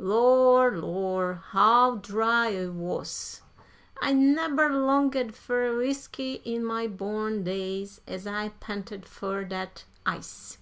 Lor'! Lor'! how dry I wuz! I neber longed fer whiskey in my born days ez I panted fur dat ice.